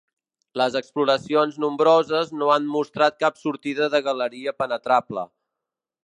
Les exploracions nombroses no han mostrat cap sortida de galeria penetrable.